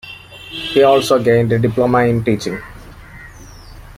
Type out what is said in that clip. He also gained a diploma in teaching.